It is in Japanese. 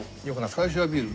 最初はビール？